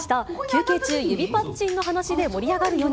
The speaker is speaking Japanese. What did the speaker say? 休憩中、指パッチンの話で盛り上がる４人。